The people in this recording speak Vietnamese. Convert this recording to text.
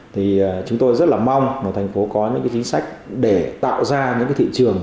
thì chúng tôi rất là mong mà thành phố có những cái chính sách để tạo ra những cái thị trường